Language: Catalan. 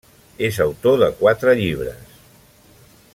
És autor de quatre llibres.